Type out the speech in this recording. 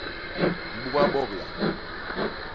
Mbuga bobla?